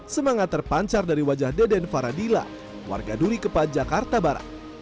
semangat terpancar dari wajah deden faradila warga duri kepa jakarta barat